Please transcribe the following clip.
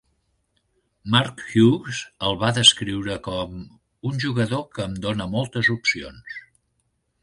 Mark Hughes el va descriure com... un jugador que em dona moltes opcions.